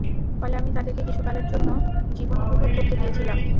ফলে আমি তাদেরকে কিছু কালের জন্য জীবনোপভোগ করতে দিয়েছিলাম।